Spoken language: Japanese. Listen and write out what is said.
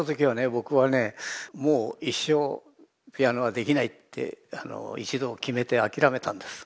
僕はねもう一生ピアノはできないって一度決めて諦めたんです。